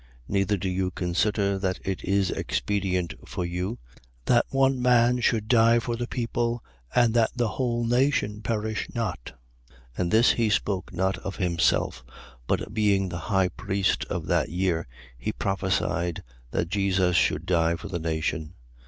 Neither do you consider that it is expedient for you that one man should die for the people and that the whole nation perish not. 11:51. And this he spoke not of himself: but being the high priest of that year, he prophesied that Jesus should die for the nation.